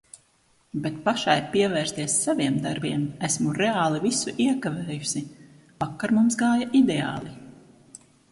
Bet pašai pievērsties saviem darbiem. Esmu reāli visu iekavējusi. Vakar mums gāja ideāli!